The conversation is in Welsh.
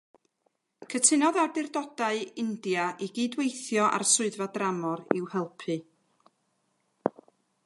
Cytunodd awdurdodau India i gyd-weithio â'r Swyddfa Dramor i'w helpu.